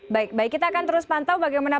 baik baik kita akan terus pantau bagaimana